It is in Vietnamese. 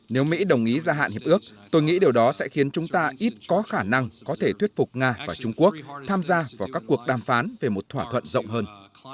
nếu mỹ đồng ý gia hạn hiệp ước tôi nghĩ điều đó sẽ khiến chúng ta ít có khả năng có thể thuyết phục nga và trung quốc tham gia vào các cuộc đàm phán về một thỏa thuận rộng hơn